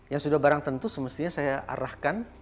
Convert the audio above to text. yang sudah barang tentu semestinya saya arahkan